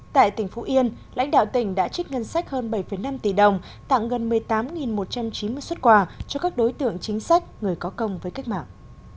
tại tỉnh phú yên lãnh đạo tỉnh đã trích ngân sách hơn bảy năm tỷ đồng tặng gần một mươi tám một trăm chín mươi xuất quà cho các đối tượng chính sách người có công với cách mạng